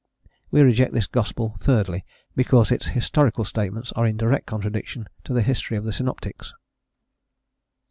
We reject this gospel, thirdly, because its historical statements are in direct contradiction to the history of the synoptics.